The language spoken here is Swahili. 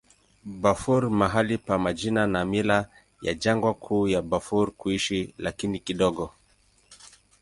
Bafur mahali pa majina na mila ya jangwa juu ya Bafur kuishi, lakini kidogo.